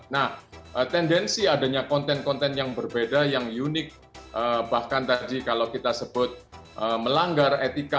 nah tendensi adanya konten konten yang berbeda yang unik bahkan tadi kalau kita sebut melanggar etika